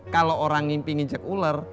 kalau orang ngimpi nginjek ular